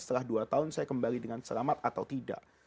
setelah dua tahun saya kembali dengan selamat atau tidak